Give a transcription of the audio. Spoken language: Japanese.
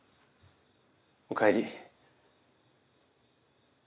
おかえり。